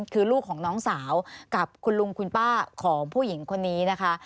คือลูกของน้องสาวกับคุณลุงคุณป้าของผู้หญิงคนนี้นะคะ